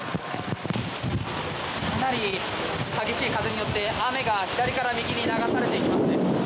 かなり激しい風によって雨が左から右に流されていきますね。